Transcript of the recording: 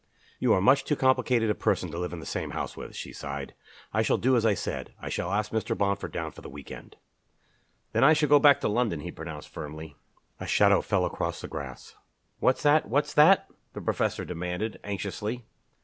"You are much too complicated a person to live in the same house with," she sighed. "I shall do as I said. I shall ask Mr. Bomford down for the week end." "Then I shall go back to London," he pronounced, firmly. A shadow fell across the grass. "What's that what's that?" the professor demanded, anxiously.